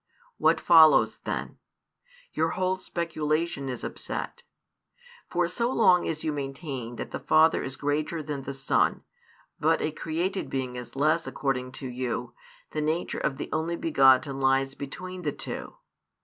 What follows then? Your whole speculation is upset. For so long as you maintain that the Father is greater than the Son, but a created being is less according to you, the nature of the Only begotten lies between the two.